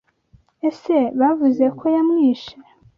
Ese Bavuze ko yamwishe.